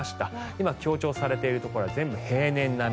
今、強調されているところは全部、平年並み。